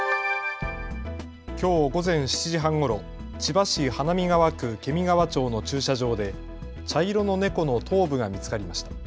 きょう午前７時半ごろ、千葉市花見川区検見川町の駐車場で茶色の猫の頭部が見つかりました。